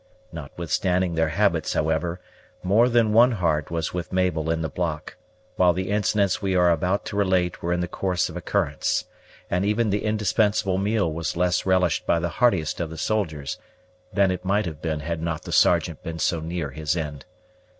Notwithstanding their habits, however, more than one heart was with Mabel in the block, while the incidents we are about to relate were in the course of occurrence; and even the indispensable meal was less relished by the hardiest of the soldiers than it might have been had not the Sergeant been so near his end.